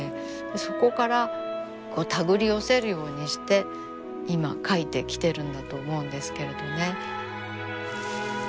そこからこう手繰り寄せるようにして今描いてきてるんだと思うんですけれどね。